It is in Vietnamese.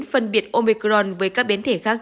phân biệt omicron với các biến thể khác